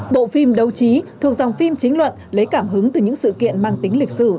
bộ phim đấu trí thuộc dòng phim chính luận lấy cảm hứng từ những sự kiện mang tính lịch sử